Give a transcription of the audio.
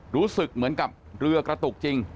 รู้สึกเหมือนกับเรือกระตุกจริง